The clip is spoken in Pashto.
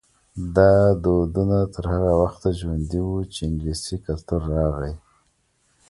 دا دودونه تر هغه وخته ژوندي وو چې انګلیسي کلتور راغی.